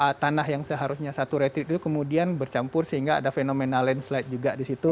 nah tanah yang seharusnya satu ratid itu kemudian bercampur sehingga ada fenomena landslide juga di situ